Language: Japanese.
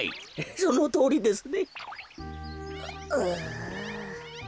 そのとおりですね。